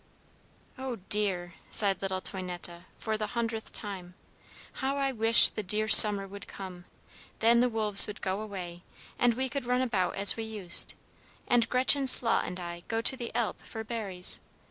"Oh, dear!" sighed little Toinette for the hundredth time. "How I wish the dear summer would come! Then the wolves would go away, and we could run about as we used, and Gretchen Slaut and I go to the Alp for berries.